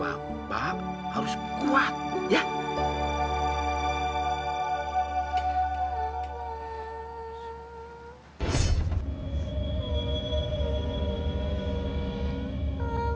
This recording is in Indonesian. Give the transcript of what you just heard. enggak saya gak kenyangan